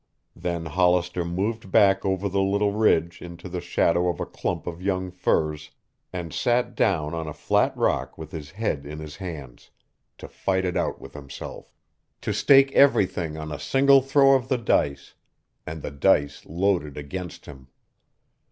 Then Hollister moved back over the little ridge into the shadow of a clump of young firs and sat down on a flat rock with his head in his hands, to fight it out with himself. To stake everything on a single throw of the dice, and the dice loaded against him!